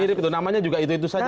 mirip itu namanya juga itu itu saja